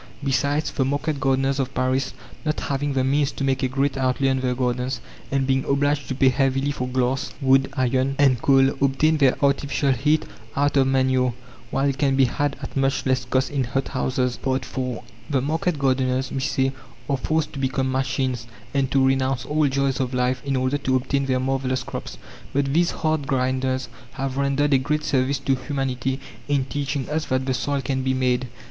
Besides, the market gardeners of Paris, not having the means to make a great outlay on their gardens, and being obliged to pay heavily for glass, wood, iron, and coal, obtain their artificial heat out of manure, while it can be had at much less cost in hothouses. IV The market gardeners, we say, are forced to become machines and to renounce all joys of life in order to obtain their marvellous crops. But these hard grinders have rendered a great service to humanity in teaching us that the soil can be "made."